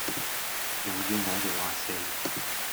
又要我做呀四